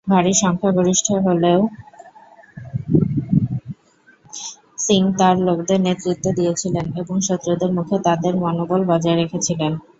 ভারী সংখ্যাগরিষ্ঠ হলেও সিং তাঁর লোকদের নেতৃত্ব দিয়েছিলেন এবং শত্রুদের মুখে তাদের মনোবল বজায় রেখেছিলেন।